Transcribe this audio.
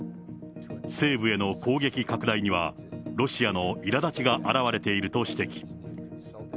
西部への攻撃拡大には、ロシアのいらだちが表れていると指摘。